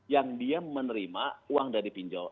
yang dia menerima uang dari pinjol